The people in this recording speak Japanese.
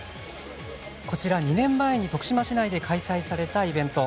こちらは２年前に徳島市内で開催されたイベント。